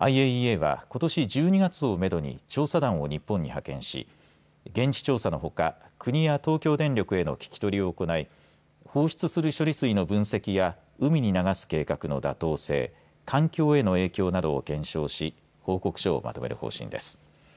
ＩＡＥＡはことし１２月をめどに調査団を日本に派遣し現地調査のほか国や東京電力への聞き取りを行い放出する処理水の分析や海に流す計画の妥当性環境への影響などを検証し報告書をまとめる方針です。